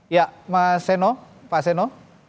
ya mas seno pak seno